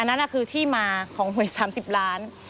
นั่นคือที่มาของหวย๓๐ล้าน